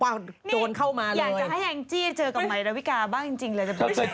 อยากจะให้เอ็งจิเจอกับไมรวิกับเป็นจริงเลย